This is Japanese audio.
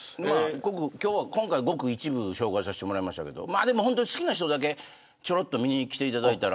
今回、ごく一部を紹介させてもらいましたけど本当に好きな人だけ、ちょろっと見に来ていただいたら。